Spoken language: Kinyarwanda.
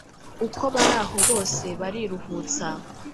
uko baraho bose bariruhutsa.